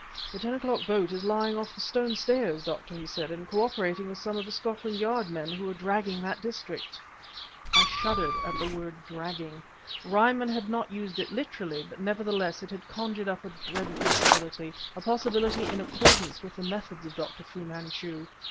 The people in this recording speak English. "The ten o'clock boat is lying off the Stone Stairs, Doctor," he said, "and co operating with some of the Scotland Yard men who are dragging that district " I shuddered at the word "dragging"; Ryman had not used it literally, but nevertheless it had conjured up a dread possibility a possibility in accordance with the methods of Dr. Fu Manchu.